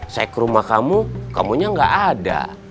saya ke rumah kamu kamu nya nggak ada